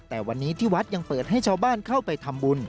แต่วันนี้ที่วัดยังเปิดให้ชาวบ้านเข้าไปทำบุญ